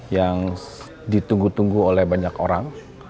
yang ditunggu tunggu oleh banyak orang